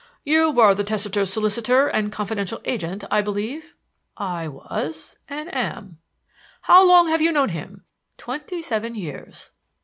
"You were the testator's solicitor and confidential agent, I believe?" "I was and am." "How long have you known him?" "Twenty seven years."